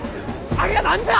ありゃ何じゃ！？